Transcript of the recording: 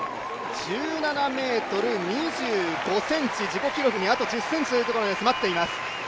１７ｍ２５ｃｍ、自己記録にあと１０ｃｍというところに迫っています。